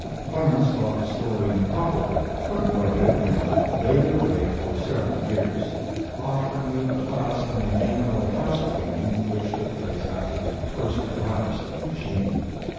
Clemens thought the story improbable, but wrote it and laid it away for several years, offering it at last in the general house cleaning which took place after the first collapse of the machine.